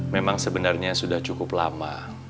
memang sebenarnya sudah cukup lama